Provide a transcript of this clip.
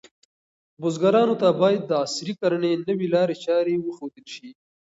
بزګرانو ته باید د عصري کرنې نوې لارې چارې وښودل شي.